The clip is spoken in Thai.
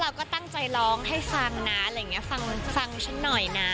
เราก็ตั้งใจร้องให้ฟังนะ